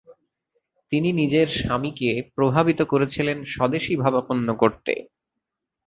তিনি নিজের স্বামীকে প্রভাবিত করেছিলেন স্বদেশীভাবাপন্ন করতে।